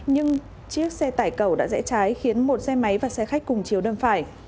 nhưng chiếc xe tải cầu đã rẽ trái khiến một xe máy và xe khách cùng chiều đâm phải